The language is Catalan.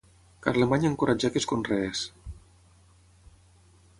Carlemany encoratjà que es conreés.